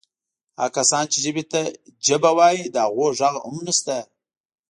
هغه کسان چې ژبې ته جبه وایي د هغو ږغ هم نسته.